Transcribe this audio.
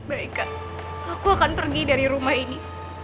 baik kak aku akan pergi dari rumah ini